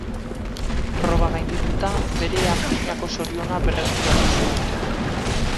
Proba gaindituta, bere antzinako zoriona berreskuratu zuen.